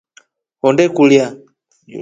Honde kulya.